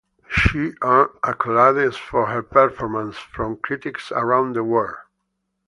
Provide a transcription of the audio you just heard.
She earned accolades for her performance from critics around the world.